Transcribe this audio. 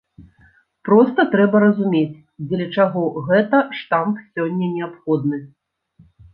Проста трэба разумець, дзеля чаго гэта штамп сёння неабходны.